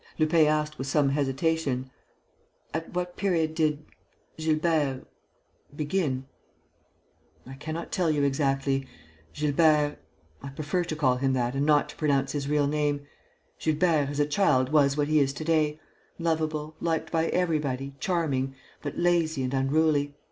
Lupin asked, with some hesitation: "At what period did ... Gilbert ... begin?" "I cannot tell you exactly. Gilbert I prefer to call him that and not to pronounce his real name Gilbert, as a child, was what he is to day: lovable, liked by everybody, charming, but lazy and unruly.